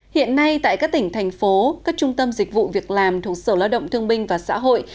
hiện nay tại các tỉnh thành phố các trung tâm dịch vụ việc làm thuộc sở lao động thương binh và xã hội